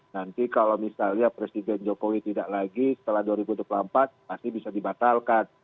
nanti kalau misalnya presiden jokowi tidak lagi setelah dua ribu dua puluh empat pasti bisa dibatalkan